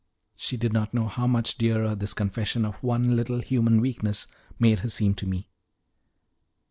She did not know how much dearer this confession of one little human weakness made her seem to me.